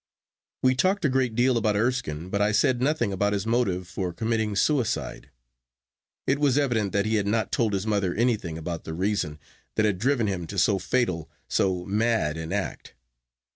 We talked a great deal about Erskine, but I said nothing about his motive for committing suicide. It was evident that he had not told his mother anything about the reason that had driven him to so fatal, so mad an act.